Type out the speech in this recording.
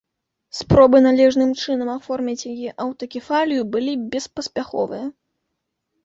Спробы належным чынам аформіць яе аўтакефалію былі беспаспяховыя.